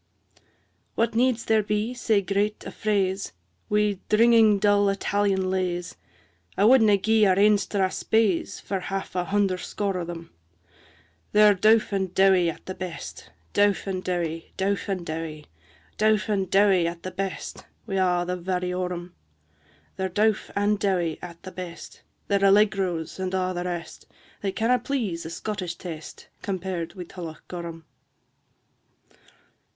III. What needs there be sae great a fraise Wi' dringing dull Italian lays? I wadna gie our ain Strathspeys For half a hunder score o' them; They're dowf and dowie at the best, Dowf and dowie, dowf and dowie, Dowf and dowie at the best, Wi' a' their variorum; They're dowf and dowie at the best, Their allegros and a' the rest, They canna' please a Scottish taste, Compared wi' Tullochgorum.